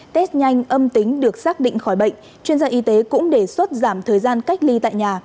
test nhanh âm tính được xác định khỏi bệnh chuyên gia y tế cũng đề xuất giảm thời gian cách ly tại nhà